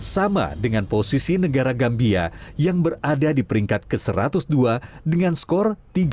sama dengan posisi negara gambia yang berada di peringkat ke satu ratus dua dengan skor tiga satu